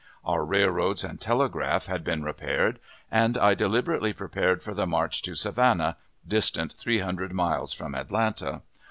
Our railroads and telegraph had been repaired, and I deliberately prepared for the march to Savannah, distant three hundred miles from Atlanta.